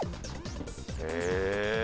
へえ。